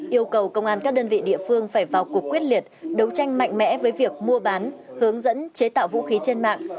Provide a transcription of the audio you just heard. yêu cầu công an các đơn vị địa phương phải vào cuộc quyết liệt đấu tranh mạnh mẽ với việc mua bán hướng dẫn chế tạo vũ khí trên mạng